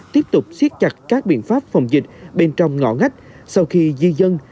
tiếp tục siết chặt các biện pháp phòng dịch bên trong ngõ ngách sau khi di dân